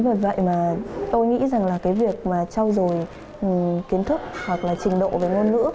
vì vậy tôi nghĩ rằng việc trao dồi kiến thức hoặc trình độ về ngôn ngữ